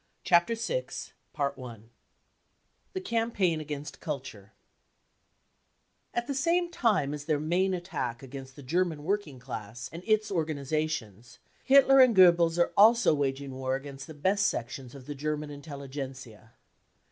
Chapter VI : THE CAMPAIGN ' AGAINST CULTURE A t t he same time as their main attack against the German working class and its organisations, Hitler and Goebbels are also waging war against the best sections of the German intelligentsia.